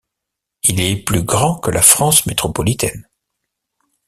Il est plus grand que la France métropolitaine.